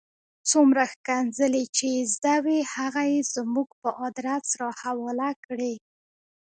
څومره ښکنځلې چې یې زده وې هغه یې زموږ په آدرس را حواله کړې.